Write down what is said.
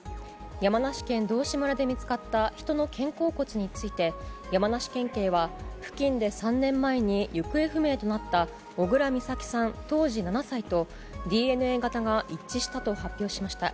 山梨県道志村で見つかった人の肩甲骨について、山梨県警は、付近で３年前に行方不明となった小倉美咲さん当時７歳と、ＤＮＡ型が一致したと発表しました。